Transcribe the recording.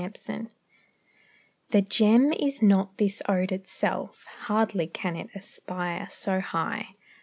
_" A GEM The gem is not this ode itself; Hardly can it aspire so high.